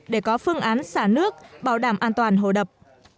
để có phương án xả nước bảo đảm an toàn hồ đập